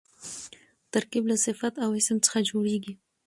ترکیب له صفت او اسم څخه جوړېږي.